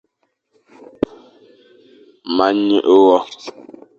Ma nyeghe wa.